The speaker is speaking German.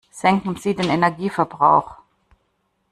Senken Sie den Energieverbrauch!